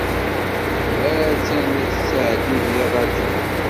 Attan la d-tettɛeddi deg ṛṛadyu.